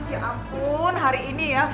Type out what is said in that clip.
mas ya ampun hari ini ya